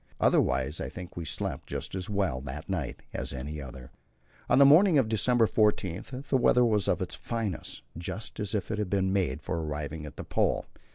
Otherwise I think we slept just as well that night as any other. On the morning of December 14 the weather was of the finest, just as if it had been made for arriving at the Pole.